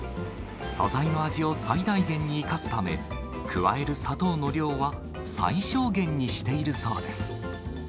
素材の味を最大限に生かすため、加える砂糖の量は最小限にしているそうです。